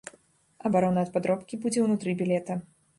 Абарона ад падробкі будзе ўнутры білета.